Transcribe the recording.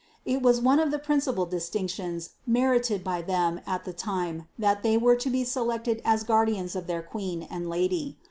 It was one of the prin cipal distinctions merited by them at the time that they were to be selected as guardians of their Queen and Lady.